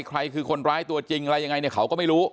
ใครคือคนร้ายตัวจริงอะไรยังไงเนี่ยเขาก็ไม่รู้